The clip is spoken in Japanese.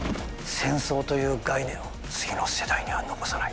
戦争という概念を次の世代には残さない。